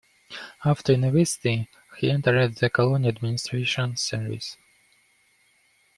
After university he entered the Colonial Administration Service.